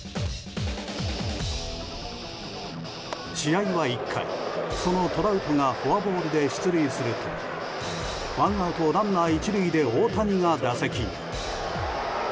試合は１回そのトラウトがフォアボールで出塁すると、ワンアウトランナー１塁で大谷が打席に。